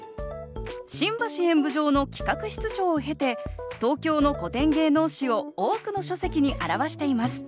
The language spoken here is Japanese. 新橋演舞場の企画室長を経て東京の古典芸能史を多くの書籍に著しています。